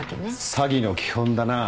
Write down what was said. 詐欺の基本だなあ。